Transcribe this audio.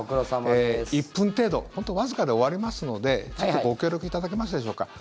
１分程度本当にわずかで終わりますのでちょっとご協力いただけますでしょうか？